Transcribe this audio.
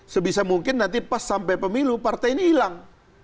sebisa mungkin nanti pas sampai pemilu partai ini hilang